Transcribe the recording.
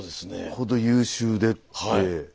ほど優秀でって。